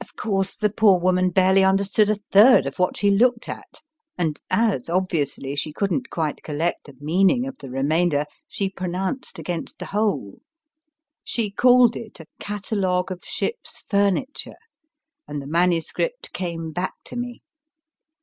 Of course, the poor woman barely under stood a third of what she looked at, and as, obviously, she couldn t quite collect the meaning of the remainder, she pronounced acrainst the whole. She called it o a catalogue of ship s furniture, and the manuscript came back to rne.